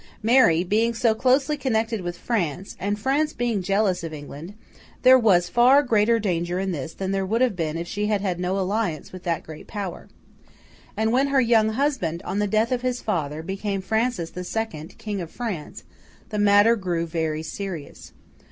Mary being so closely connected with France, and France being jealous of England, there was far greater danger in this than there would have been if she had had no alliance with that great power. And when her young husband, on the death of his father, became Francis the Second, King of France, the matter grew very serious.